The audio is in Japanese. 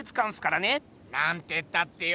なんてったってよ